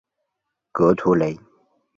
勒图雷。